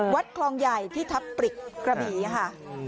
วัดคลองใหญ่ที่ทับปริกกระบี่ค่ะ